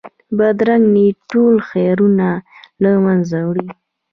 بدرنګه نیت ټول خیرونه له منځه وړي